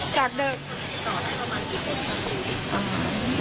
จากเดิม